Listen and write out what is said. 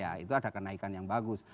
ya itu ada kenaikan yang bagus